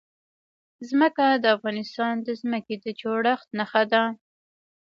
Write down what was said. ځمکه د افغانستان د ځمکې د جوړښت نښه ده.